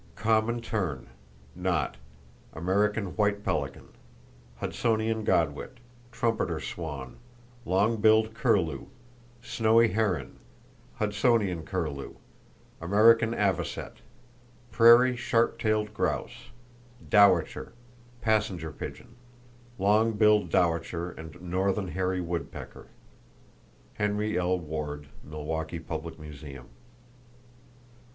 Common tern, knot, American white pelican, Hudsonian godwit, trumpeter swan, long billed curlew, snowy heron, Hudsonian curlew, American avocet, prairie sharp tailed grouse, dowitcher, passenger pigeon. Long billed dowitcher and northern hairy woodpecker.—(Henry L. Ward, Milwaukee Public Museum.)